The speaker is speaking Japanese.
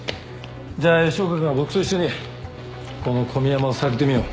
じゃあ吉岡君は僕と一緒にこの小宮山を探ってみよう。